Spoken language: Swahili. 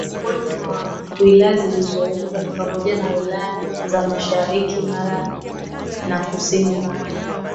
Miongoni mwa Wilaya zilizoundwa ni pamoja na wilaya za mashariki Mara na kusini Mara